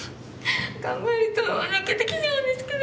考えると泣けてきちゃうんですけど。